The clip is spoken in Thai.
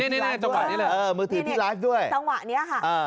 แล้วมือถือที่ราบด้วยจังหวะนี้ค่ะ